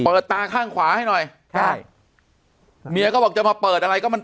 ตาข้างขวาให้หน่อยใช่เมียก็บอกจะมาเปิดอะไรก็มัน